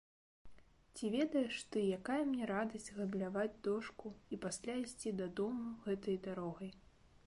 Ці ведаеш ты, якая мне радасць габляваць дошку і пасля ісці дадому гэтай дарогай.